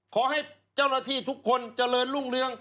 ขอให้เจ้าหน้าที่ทุกคนเจริญรุ่งเรือง